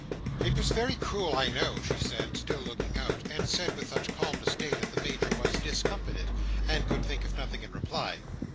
"It was very cruel, I know," she said, still looking out—and said with such calm disdain, that the Major was discomfited, and could think of nothing in reply.